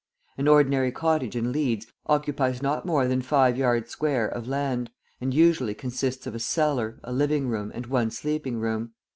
{40b} An ordinary cottage in Leeds occupies not more than five yards square of land, and usually consists of a cellar, a living room, and one sleeping room.